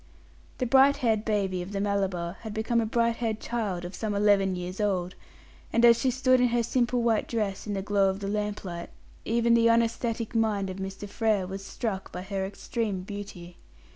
The bright haired baby of the Malabar had become a bright haired child of some eleven years old, and as she stood in her simple white dress in the glow of the lamplight, even the unaesthetic mind of Mr. Frere was struck by her extreme beauty.